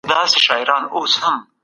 ډیپلوماټیکي اړیکي پر رښتینولۍ ولاړي وي.